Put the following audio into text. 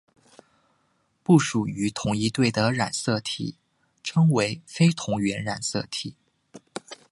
不属于同一对的染色体称为非同源染色体。